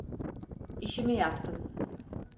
İşimi yaptım.